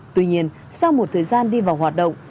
tuy nhiên sau một thời gian đi vào hoạt động